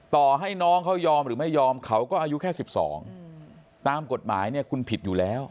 ต่อให้น้องเขายอมหรือไม่ยอมเขาก็อายุแค่๑๒ตามกฎหมายเนี่ยคุณผิดอยู่แล้ว